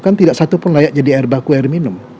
kan tidak satu pun layak jadi air baku air minum